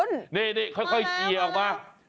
นี่ค่อยเขียนออกมา